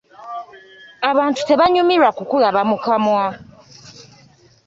Abantu tebanyumirwa kukulaba mu kamwa.